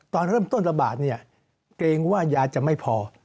ตอนเริ่มต้นระบาดเนี่ยเกรงว่ายาจะไม่พอ